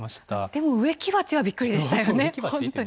でも植木鉢はびっくりでしたよね。